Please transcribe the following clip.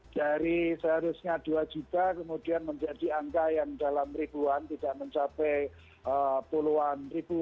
dari seharusnya dua juta kemudian menjadi angka yang dalam ribuan tidak mencapai puluhan ribu